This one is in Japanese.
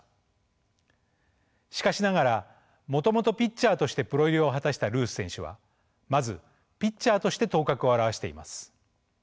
しかしながらもともとピッチャーとしてプロ入りを果たしたルース選手はまずピッチャーとして頭角を現しています。